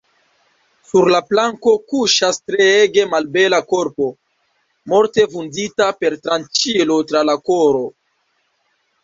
Sur la planko kuŝas treege malbela korpo, morte vundita per tranĉilo tra la koro.